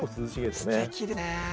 すてきですね。